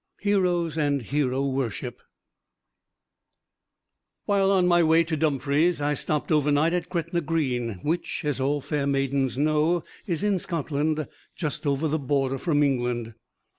Heroes and Hero Worship [Illustration: THOMAS CARLYLE] While on my way to Dumfries I stopped overnight at Gretna Green, which, as all fair maidens know, is in Scotland just over the border from England.